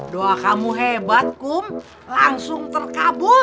doa kamu hebat kum langsung terkabul